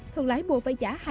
thường lái mua với giá